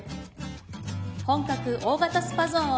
本格大型スパゾーンを併設。